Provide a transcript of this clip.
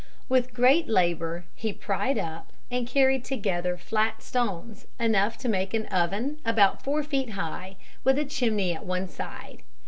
With great labor, he pried up and carried together flat stones enough to make an oven about four feet high with a chimney at one side.